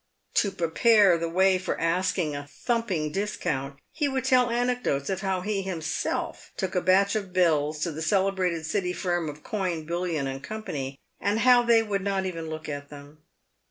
To prepare the way for asking a thumping discount, he would tell anecdotes of how he himself 'took a batch of bills to the celebrated City firm of Coin, Bullion, and Co., and how they would not even look at them.